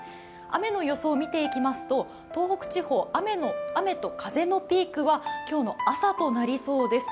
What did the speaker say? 雨の予想を見ていきますと東北地方、雨と風のピークは今日の朝となりそうです。